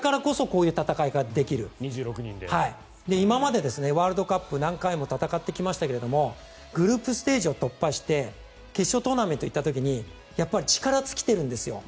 今までワールドカップ何回も戦ってきましたがグループステージを突破して決勝トーナメントに行った時にやっぱり力尽きてるんですよ。